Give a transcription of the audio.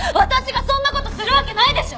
私がそんな事するわけないでしょ！